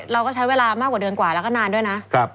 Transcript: เราก็ใช้เวลามากกว่าเดือนกว่าแล้วก็นานด้วยนะ